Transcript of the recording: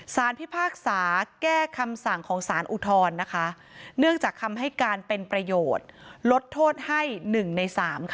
พิพากษาแก้คำสั่งของสารอุทธรณ์นะคะเนื่องจากคำให้การเป็นประโยชน์ลดโทษให้๑ใน๓ค่ะ